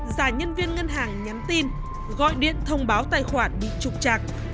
giả nhân viên ngân hàng nhắn tin gọi điện thông báo tài khoản